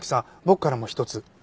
僕からも一つ。